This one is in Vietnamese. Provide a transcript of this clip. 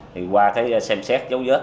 thì qua cái xem xét dấu vết